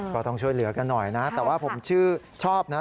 ก็ต้องช่วยเหลือกันหน่อยนะแต่ว่าผมชื่อชอบนะ